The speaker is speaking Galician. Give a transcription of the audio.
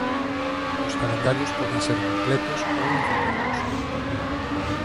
Os calendarios poden ser completos ou incompletos.